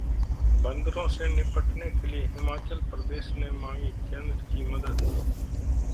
बंदरों से निपटने के लिए हिमाचल प्रदेश ने मांगी केंद्र की मदद